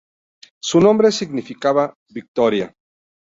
Su nombre significaba ‘victoria’.